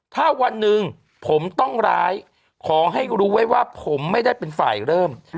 ถ้าวันหนึ่งผมต้องร้ายขอให้รู้ไว้ว่าผมไม่ได้เป็นฝ่ายเริ่ม